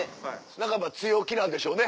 半ば強気なんでしょうね。